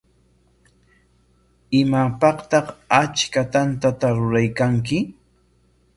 ¿Imapaqtaq achka tantata ruraykanki?